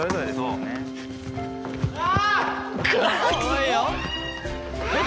・うわ！